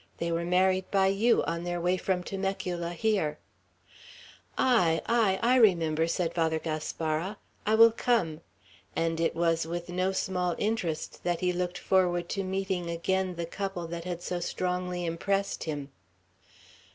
They were married by you, on their way from Temecula here." "Ay, ay. I remember," said Father Gaspara. "I will come;" and it was with no small interest that he looked forward to meeting again the couple that had so strongly impressed him.